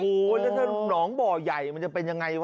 โอ้โหแล้วถ้าหนองบ่อใหญ่มันจะเป็นยังไงวะ